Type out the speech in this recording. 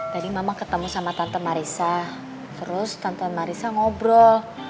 tadi mama ketemu sama tante marisa terus tante marisa ngobrol